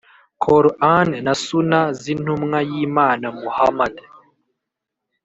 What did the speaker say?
Qor an na Sunna z Intumwa y Imana Muhammad